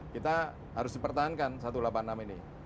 kita harus dipertahankan satu ratus delapan puluh enam ini